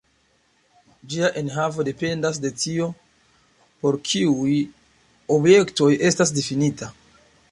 Ĝia enhavo dependas de tio, por kiuj objektoj estas difinita.